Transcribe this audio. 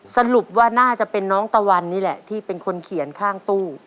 สรุปว่าน่าจะเป็นน้องตะวันนี่แหละที่เป็นคนเขียนข้างตู้